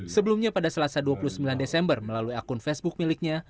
sebelumnya pada selasa dua puluh sembilan desember melalui akun facebook miliknya